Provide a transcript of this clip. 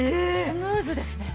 スムーズですね。